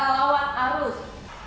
gara lawan arus